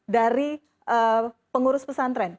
dari pengurus pesantren